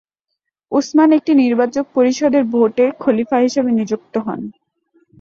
উসমান একটি নির্বাচক পরিষদের ভোটে খলিফা হিসেবে নিযুক্ত হন।